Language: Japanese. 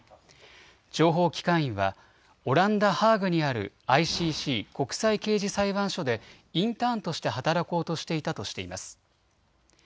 情報機関員はオランダ・ハーグにあるＩＣＣ・国際刑事裁判所でインターンとして働こうとしていたとしています。